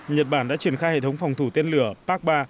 nhật bản đã triển khai hệ thống phòng thủ tên lửa pak ba